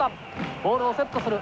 ボールをセットする。